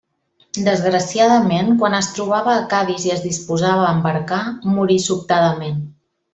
Desgraciadament quan es trobava a Cadis i es disposava a embarcar, morí sobtadament.